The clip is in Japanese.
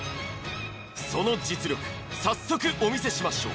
その実力早速お見せしましょう